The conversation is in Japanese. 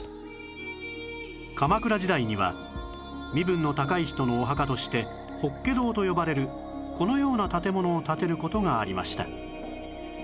鎌倉時代には身分の高い人のお墓として法華堂と呼ばれるこのような建物を建てる事がありました